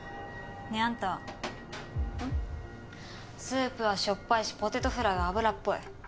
スープはしょっぱいしポテトフライは油っぽい。